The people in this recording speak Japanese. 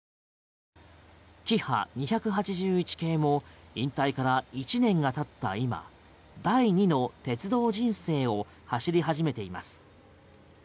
キハ２８１系も引退から１年が経った今第２の鉄道人生を走り始めています。